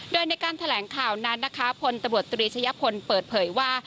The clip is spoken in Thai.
โดยในการแถลงข่าวนั้นนะคะพลตำรวจตรีชะยะพลเปิดเผยว่า